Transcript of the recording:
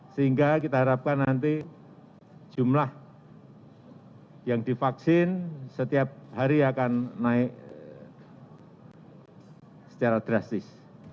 sehingga kita harapkan nanti jumlah yang divaksin setiap hari akan naik secara drastis